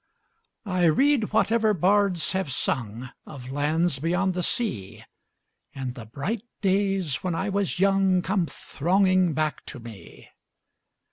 I read whatever bards have sung Of lands beyond the sea, 10 And the bright days when I was young Come thronging back to me.